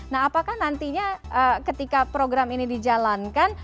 nah apakah nantinya ketika program ini dijalankan